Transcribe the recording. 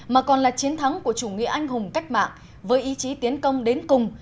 mà còn là chiến thắng của chủ nghĩa anh hùng cách mạng với ý chí tiến công đến cùng